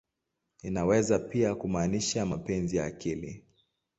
Inaweza pia kumaanisha "mapenzi ya akili.